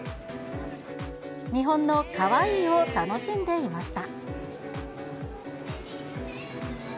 日本のカワイイを楽しんでいました。